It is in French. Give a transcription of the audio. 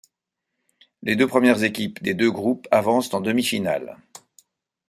Les deux premières équipes des deux groupes avancent en demi-finales.